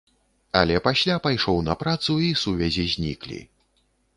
Але пасля пайшоў на працу, і сувязі зніклі.